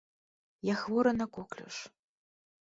Я хворы на коклюш.